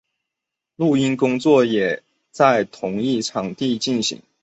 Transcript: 录音工作也在同一场地上进行。